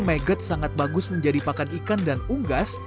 maget sangat bagus menjadi pakan ikan dan unggas